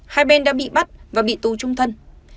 hai bên đã bị bắt và bị tu chung thân